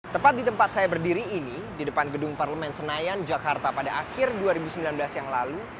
tepat di tempat saya berdiri ini di depan gedung parlemen senayan jakarta pada akhir dua ribu sembilan belas yang lalu